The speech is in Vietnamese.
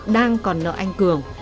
đang còn nợ anh cường